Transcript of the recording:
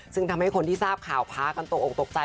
ซึ่งทำให้คนที่ทราบข่าวพากันตกออกตกใจ